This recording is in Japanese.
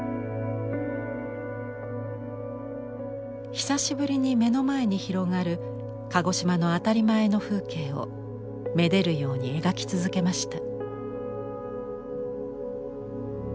久しぶりに目の前に広がる鹿児島の当たり前の風景を愛でるように描き続けました。